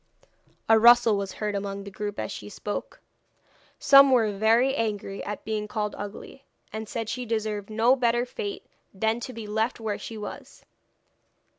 A rustle was heard among the group as she spoke. Some were very angry at being called ugly, and said she deserved no better fate than to be left where she was.